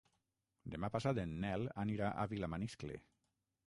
Demà passat en Nel anirà a Vilamaniscle.